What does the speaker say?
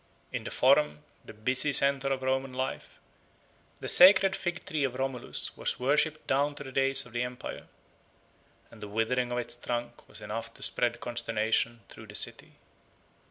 In the Forum, the busy centre of Roman life, the sacred fig tree of Romulus was worshipped down to the days of the empire, and the withering of its trunk was enough to spread consternation through the city.